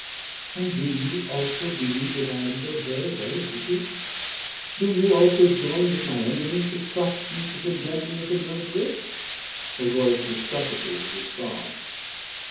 "And do you also believe that I am so very, very wicked? Do you also join with my enemies to crush me, to condemn me as a murderer?" Her voice was suffocated with sobs.